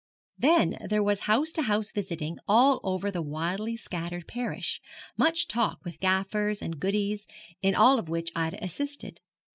Then there was house to house visiting all over the widely scattered parish, much talk with gaffers and goodies, in all of which Ida assisted.